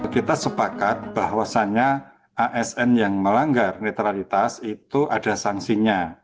kita sepakat bahwasannya asn yang melanggar netralitas itu ada sanksinya